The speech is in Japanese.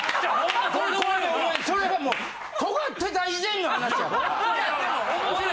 それはもう尖ってた以前の話やから。